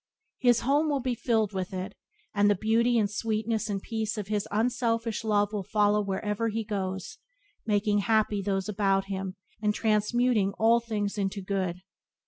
His home will be filled with it, and the beauty and sweetness and peace of his unselfish love will follow wherever he goes, making happy those about him and transmuting all things into good.